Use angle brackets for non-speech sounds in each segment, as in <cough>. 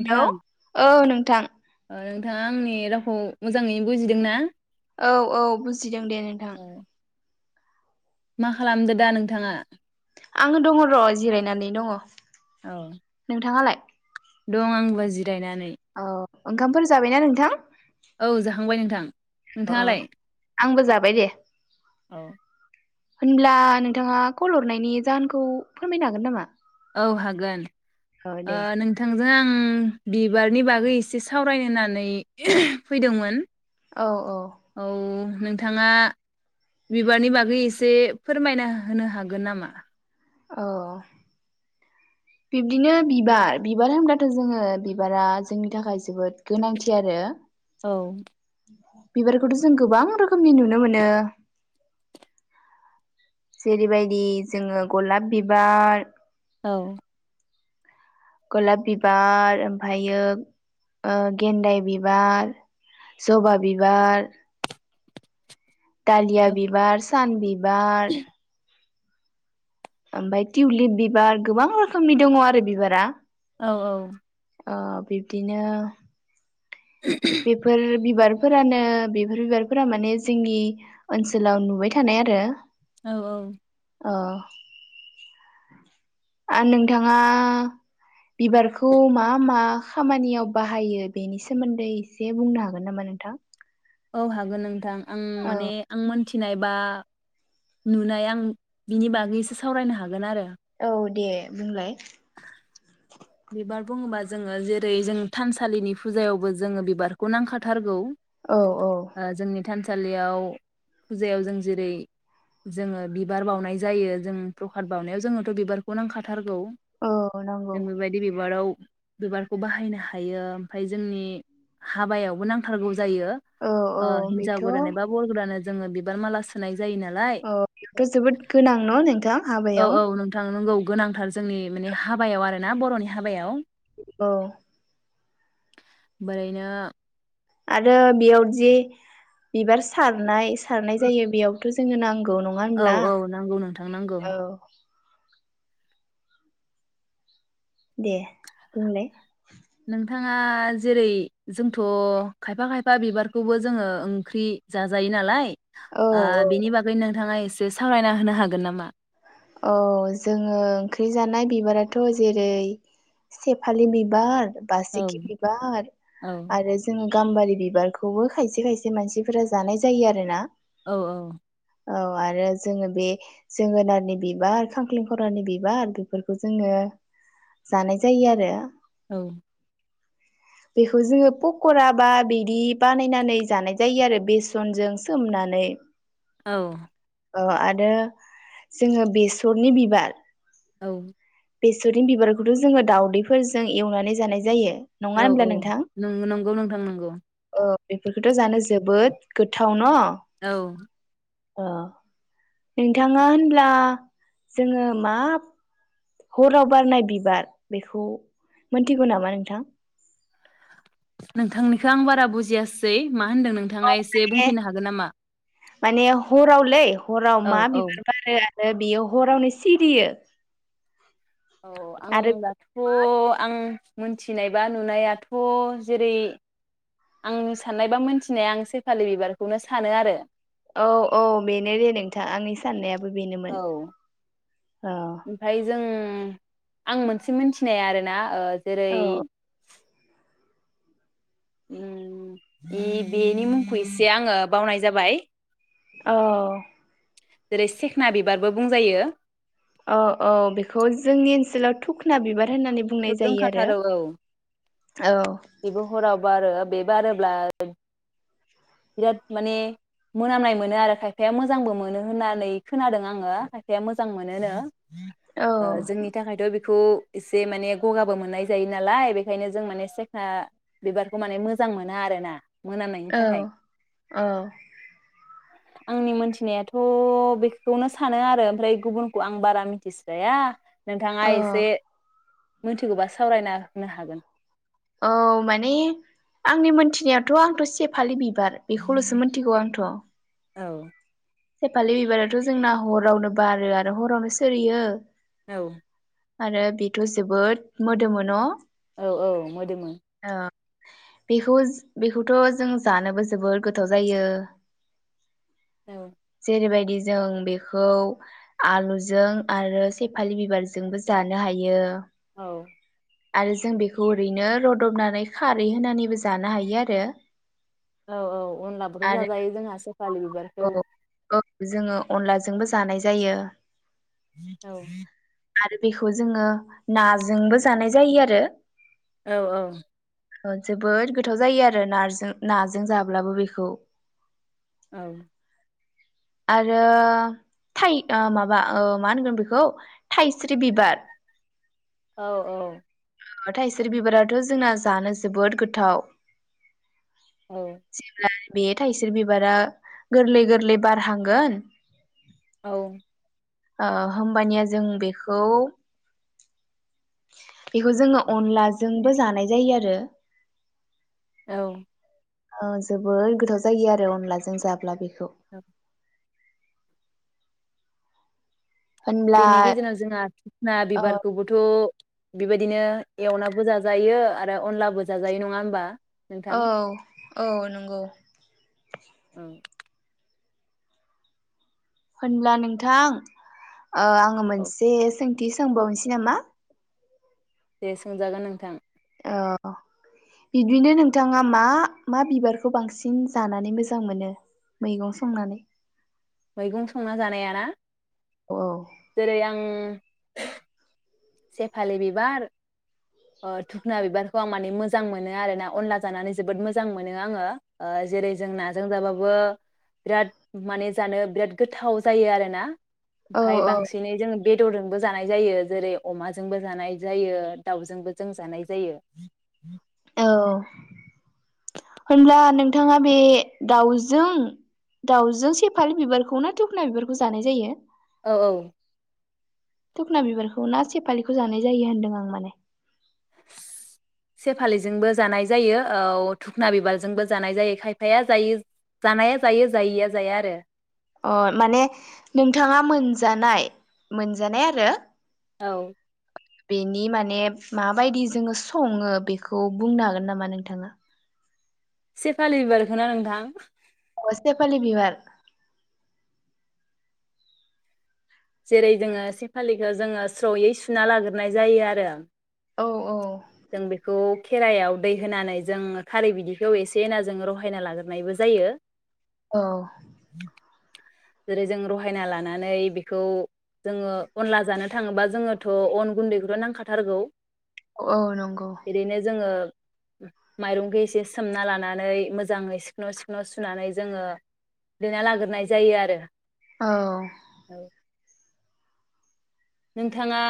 Hello औ नोंथां। ओ नोंथाङा आंनि रावखौ मोजाङै बुजिदों ना? औ औ बुजिदों दे नोंथां। औ मा खालामदो दा नोंथाङा? आङो दं र' जिरायनानै दङ। औ नोंथाङालाय? दं आंबो जि जिरायनानै। औ ओंखामफोर जाबायना नोंथां? औ जाखांबाय नोंथां अ अ नोंथाङालाय? आंबो जाबाय दे अ। होनब्ला नोंथाङा कल हरनायनि जाहोनखौ फोरमायनो हागोन नामा? औ हागोन। औ ओ दे नोंथां जों बिबारनि बागै एसे सावरायनो होन्नानै फैदोंमोन। औ औ नोंथाङा बिबारनि बागै एसे फोरमायना होनो हागोन नामा? औ बिब्दिनो बिबार, बिबार होनब्लाथ' जोङो बिबारा जोंनि थाखाय जोबोद गोनांथि आरो। औ बिबारखौथ' जों गोबां रोखोमनि नुनो मोनो। जेरैबायदि जोङो गलाब बिबार औ गलाब बिबार ओमफायो ओ गेन्दाय बिबार जबा बिबार दालिया औ बिबार सान बिबार ओमफाय टिउलिप बिबार गोबां रोखोमनि दङ आरो बिबारा औ-औ अ बिब्दिनो बेफोर बिबारफोरानो बेफोर बिबारफोरा माने जोंनि ओनसोलाव नुबाय थानाय आरो औ-औ अ आ नोंथाङा बिबारखौ मा-मा खामानियाव बाहायो बेनि सोमोन्दै एसे बुंनो हागोन नामा नोंथां? औ हागोन नोंथां आं औ माने आं मोन थिनाय बा नुनाय आं बिनि बागैसो सावरायनो हागोन आरो औ दे बुंलाय बिबार बुङोबा जोङो जेरै जों थानसालिनि फुजायावबो जोङो बिबारखौ नांखाथारगौ औ औ ओ जोंनि थान सालियाव फुजायाव जों जेरै जोङो बिबार बाउनाय जायो जों प्रखाद बाउनायाव जोङोथ' बिबारखौ नांखाथार ओ नंगो जों बेबादि बिबाराव बिबारखौ बाहायनो हायो ओमफाय जोंनि हाबायावबो नांथारगौ जायो औ औ ओ हिनजाव बेथ' बरायनाय बा बर गोदानो जोङो बिबार माला सोनाय जायो नालाय अ बेथ' जोबोद गोनां न' नोंथां औ हाबायाव औ नोंथां नंगौ गोनांथार जोंनि माने हाबायाव आरो ना बर'नि हाबायाव औ बोरैनो आरो बेयावदि बिबार सारनाय सारनाय जायो बेयाव थ जोंनो नां औ-औ नांगौ नोंथां नांगौ औ दे बुंलाय नोंथाङा जेरै जोंथ' खायफा-खायफा बिबारखौबो जोङो ओंख्रि जाजायो नालाय औ ओ औ बिनि बागै नोंथाङा एसे सावरायना होनो हागोन नामा औ जोङो ओंख्रि जानाय बिबाराथ' जेरै सेफालि बिबार। औ बासिखि बिबार औ आरो जोंनि गाम्बारि बिबारखौबो खायसे खायसे मानसिफोरा जानाय जायो आरो ना। औ औ। औ आरो जोङो बे जोगोनारनि बिबार खांख्लेंखरानि बिबार बेफोरखौ जोङो जानाय जायो आरो। औ। बेखौ जोङो पकरा बा बिदि बानायनानै जानाय जायो आरो बेसनजों सोमनानै। औ। औ आरो जोङो बेसरनि बिबार। औ। बेसरनि बिबारखौथ' जोङो दाावदैफोरजों एवनानै जानाय जायो। नङा औ होनब्ला औ नोंथां नों नंगौ नोंथां नगौ। ओ बेफोरखौथ' जानो जोबोद गोथाव न। औ। ओ नोंथाङा होनब्ला जोङो मा हराव बारनाय बिबार बेखौ मोनथिगौ नामा नोंथां? नोंथांनिखौ आं बारा बुजियासै। मा होनदों औ नोंथाङा एसे माने बुंफैनो हागोन नामा? माने हरावलै हराव औ मा औ बिबार बारो? बेयो हरावनो सिरियो। औ आं आरो दाथ' आं मोनथिनायबा नुनायाथ' जेरै आंनि साननायबा मोनथिनाया आं सेपालि बिबारखौनो सानो आरो। औ औ बेनो दे नोंथां आंनि साननाया औ ओमफ्राय जों आं मोनसे मिथिनाया आरोना ओ। जेरै औ ओम बेनि मुंखौ एसे आङो बावनाय जाबाय। औ। जेरै सेखना बिबारबो बुंजायो। औ औ बेखौ जोंनि ओनसोलाव थुखना बिबार होननानै बिसोर बुंनाय जायो दंखाथारो औ आरो औ। आरो बे बारोब्ला बिराद माने मोनामनाय मोनो आरो खायफाया मोजांबो मोनो होननानै खोनादों आङो खायफाया मोजां मोनोनो। औ जोंनि थाखायथ' खौ जे माने गगाबो मोननाय जायो नालाय बेखायनो जों माने सेखा बिबारखौ माने मोजां मोना आरो ना। औ औ। आंनि मोनथिनायाथ' बेखौनो सानो आरो ओमफ्राय गुबुनखौ आं बारा मिथिस्राया। नोंथाङा औ एसे मोनथिगौबा सावरायना होनो हागोन। औ माने आंनि मोनथिनायावथ' आंथ' सेफालि बि बिबार बेखौल'सो मिथिगौ आंथ' औ सेफालि बिबाराथ' जोंना हरावनो बारो आरो हरावनो सोरियो औ आरो बेथ' जोबोद मोदोमोनो न'? औ औ मोदोमो औ बेखौ बेखौथ' जों जानोबो जोबोर गोथाव जायो। औ जेबायदि जों बेखौ आलुजों आरो सेफालि बिबारजोंबो जानो हायो। औ आरो जों बेखौ ओरैनो रदबनानै खारै होनानैबो जानो हायो आरो। औ औ अनब्लाबोथ' आरो जाजायो जोंहासो सेफालि बिबारखौ औ औ जोङो अनलाजोंबो जानाय जायो। <unintelligible> आरो बेखौ जोङो नाजोंबो जानाय जायो आरो। औ ओ जोबोद गोथाव जायो आरो नारजो नाजों जाब्लाबो बेखौ। औ आरो थाय ओ माबा ओ मा होनगोन बेखौ थाइस्रि बिबार औ औ ओ थायस्रि बिबाराथ' जोंना जानो जोबोद गोथाव <unintelligible> बे थायस्रि बिबारा गोरलै गोरलै बारहांगोन औ ओ होमबानिया जों बेखौ बेखौ जोङो अनलाजोंबो जानाय जायो आरो औ औ जोबोर गोथाव जायो आरो अनलाजों जाब्ला बे <unintelligible> होनब्ला बेनि गेजेराव जोंहा <unintelligible> ओ बिबारखौबोथ' बेबायदिनो एवनाबो जाजायो आरो अनलाबो जाजायो नङा होमबा? नोंथां औ औ नंगौ औ होनब्ला नोंथां ओ आङो औ मोनसे सों बिदि सोंबावनोसै नामा? दे सोंजागोन नोंथां। ओ बिदिनो नोंथाङा मा मा बिबारखौ बांसिन जानानै मोजां मोनो मैगं संनानै? मैगं संना जानाया ना? औ जेरै आं <inaudible> सेफालि बिबार ओ धुखना बिबारखौ आं माने मोजां मोनो आरोना अनला जानानै जोबोद मोजां मोनो आङो। ओ जेरै जों नाजों जाबाबो बिराद माने जानो बिराद गोथाव जायो आरो ना? औ ओमफाय बांसिनै जोङो बेदरजोंबो जानाय जायो जेरै अमाजोंबो जानाय जायो दाउजोंबो जों जानाय जायो। औ होनब्ला नोंथाङा बे दाउजों दाउजों सेफालि बिबारखौ ना दुखना बिबारखौ जानाय जायो? औ औ। धुखना बिबारखौ ना सेपालिखौ जानाय जायो होनदों आं माने सेफालिजोंबो जानाय जायो औ धुखना बिबारजोंबो जानाय जायो। खायफाया जायो जानाया जायो जायिया जाया आरो। अह माने नोंथाङा मोनजानाय मोनजानाय आरो? औ। बेनि माने माबायदि जोङो सङो बेखौ बुंनो हागोन नामा नोंथाङा? सेफालि बिबारखौना नोंथां? अह सेेपालि बिबार। जेरै जोङो सेफालिखौ जोङो स्रयै सुना लाग्रोनाय जायो आरो। औ औ जों बेखौ खेरायाव दै होनानै जों खारै बिदैखौ एसे होना जों रहायना लाग्रोनायबो जायो। औ। जेरै जों रहायना लानानै बे बेखौ जोङो अनला जानो थाङोबा जोङोथ' अन गुन्दैखौथ' नांखाथारगौ। औ नंगौ ओरैनो जोङो माइरंखौ एसे सोमना लानानै मोजाङै सिखन' सिखन' सुनानै जोङो देना लाग्रोनाय जायो आरो। औ। औ नोंथाङा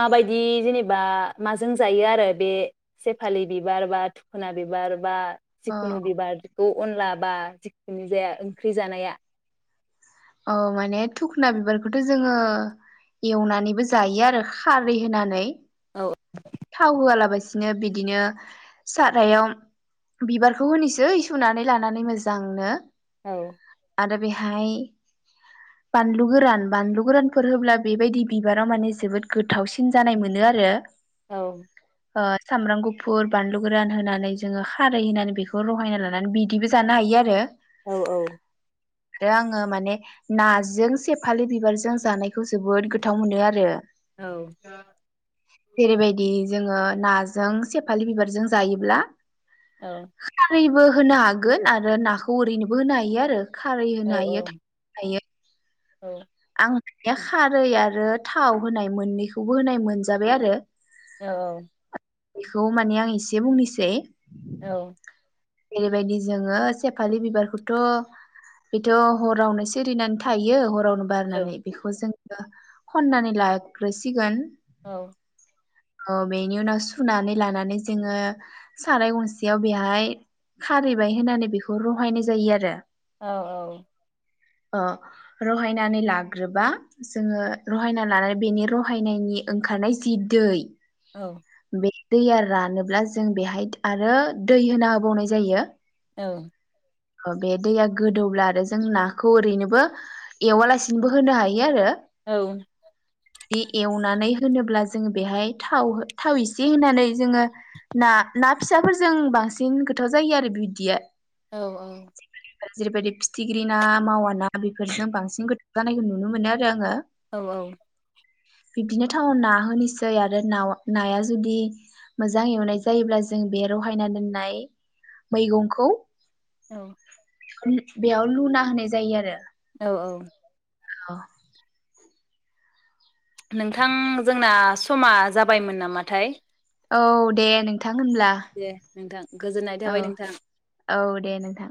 माबायदि जेनेबा माजों जायो आरो बे सेफालि बिबार बा थुखुना बिबार बा औ जिखुनु बिबार अ' अनला बा जिखुनु जाया ओंख्रि जानाया औ माने धुखुना बिबारखौथ' जोङो एवनानैबो जायो आरो खारै होनानै। औ थाव होयाबालासि दिनो बिदिनो सारायाव बिबारखौ होनोसै सुनानै लानानै मोजांनो औ। आरो बेहाय बानलु गोरान बानलु गोरानफोर होब्ला बेबायदि बिबारा माने जोबोद गोथावसिन जानाय मोनो आरो। औ। ओ सामब्राम गुफुर बानलु गोरान होनानै जोङो खारै होनानै बेखौ रहायना लानानै बिदैबो जानो हायो आरो। औ औ। दा आङो माने नाजों से फालि बिबारजों जानायखौ जोबोद गोथाव मोनो आरो। औ <unintelligible> जेरैबायदि जोङो नाजों सेफालि बिबारजों जायोब्ला औ । बो होनो हागोन आरो नाखौ ओरैनोबो होनो हायो आरो खारै औ होनो हायो एयो औ । खारै आरो थाव होनाय मोननैखौबो होनाय मोनजाबाय आरो औ बेखौ माने आं एसे बुंनोसै । औ । ओेरैबायदि जोङो सेफालि बिबारखौथ' बेथ' हरावनो सिरिनानै थायो हराव बारनानै बेखौ जों <inaudible> खननानै लाग्रोसिगोन औ । अ बेनि उनाव सुनानै लानानै जोङो साराय गंसेयाव बेहाय खारैबाय होननानै बेखौ रहायनाय जायो आरो औ औ औ । अ रहायनानै लाग्रोबा जोङो रहायना लानानै बेनि रहायनायनि ओंखारनाय जि दै औ । दैया रानोब्ला जों बेहाय आरो दै होना होबावनाय जायो। औ । अ बे दैया गोदौब्ला आरो जों नाखौ ओरैनोबो एवालासिनोबो होनो हायो आरो औ । बि एवनानै होनोब्ला जोङो बेहाय थाव थाव इसे होनानै जोङो ना ना फिसाफोरजों बांसिन गोथाव जायो आरो बिदिया । औ औ । जेरैबायदि फिथिख्रि ना मावा ना बेफोरजों बांसिन गोथाव जानायखौ नुनो मोनो आरो आङो। औ औ । बिब्दिनो थावाव ना होनोसै आरो नाव नाया जुदि मोजां एवनाय जायोब्ला जों बे रहायना दोननाय मैगंखौ औ । बेयाव लुना होनाय जायो आरो। औ औ । औ । नोंथां जोंना समा जाबायमोन नामाथाय? औ दे नोंथां नोंथां होनब्ला दे नोंथां गोजोननाय थाबाय नोंथां। औ औ दे नोंथां।